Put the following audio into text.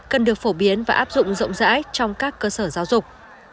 cần được phổ biến và áp dụng rộng rãi trong các cơ sở giáo dục